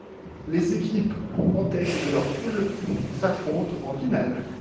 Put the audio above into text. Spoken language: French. Les équipes en tête de leur poule s'affrontent en finale.